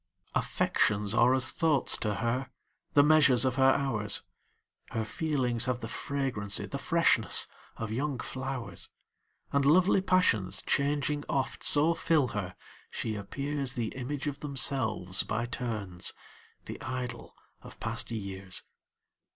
Affections are as thoughts to her, the measures of her hours; Her feelings have the fragrancy, the freshness, of young flowers; And lovely passions, changing oft, so fill her, she appearsThe image of themselves by turns,—the idol of past years!